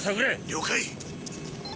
了解。